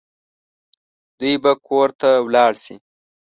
دوی به کور ته ولاړ شي